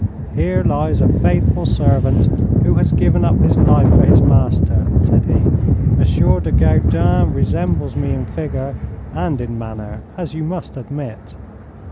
'Here lies a faithful servant who has given up his life for his master,' said he. 'Monsieur de Goudin resembles me in figure and in manner, as you must admit.'